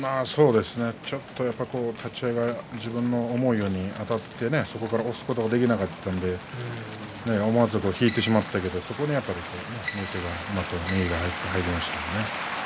ちょっと立ち合いが自分の思うようにあたってそこから起こすことができなかったので思わず引いてしまったけどそこに明生が中に入りましたね。